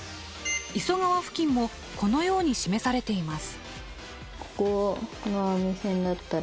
磯川付近もこのように示されています。